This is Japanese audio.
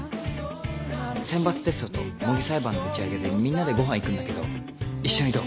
選抜テストと模擬裁判の打ち上げでみんなでご飯行くんだけど一緒にどう？